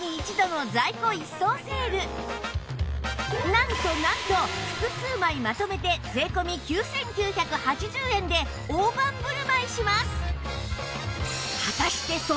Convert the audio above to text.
なんとなんと複数枚まとめて税込９９８０円で大盤振る舞いします！